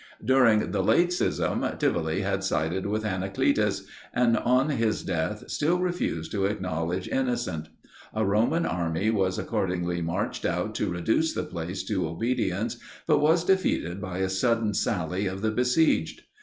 During the late schism, Tivoli had sided with Anacletus, and on his death still refused to acknowledge Innocent. A Roman army was accordingly marched out to reduce the place to obedience, but was defeated by a sudden sally of the besieged.